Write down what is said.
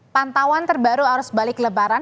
pantauan terbaru arus balik lebaran